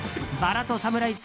「薔薇とサムライ